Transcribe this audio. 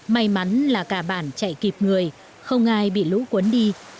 may mắn là cả bản chạy kịp người không ai bị lũ cuốn đi